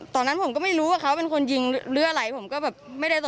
ก็ยังไม่รู้เลยว่าเขายิงพ่ออะไร